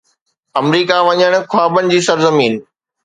آمريڪا وڃڻ، خوابن جي سرزمين